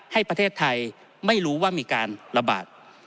ให้ประเทศไทยไม่รู้ว่ามีการระบาด